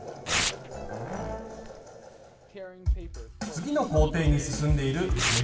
次の工程に進んでいる運